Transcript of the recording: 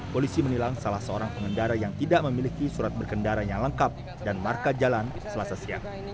polisi menilang salah seorang pengendara yang tidak memiliki surat berkendara yang lengkap dan marka jalan selasa siang